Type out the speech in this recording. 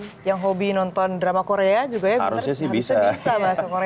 jadi yang hobi nonton drama korea juga ya harusnya bisa masuk korea